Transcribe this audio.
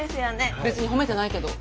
別に褒めてないけど。